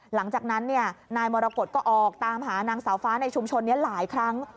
หลังจากนั้นนายมรกฏก็ออกตามหานางสาวฟ้าในชุมชนนี้หลายครั้ง